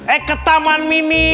eh ke taman mini